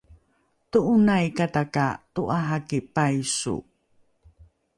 to’onaikata ka to’araki paiso